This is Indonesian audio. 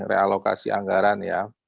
realokasi anggaran ya